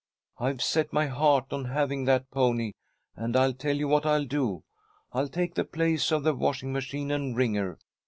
"I've set my heart on having that pony, and I'll tell you what I'll do. I'll take the place of the washing machine and wringer.